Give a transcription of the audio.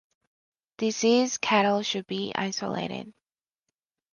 Diseased cattle should be isolated.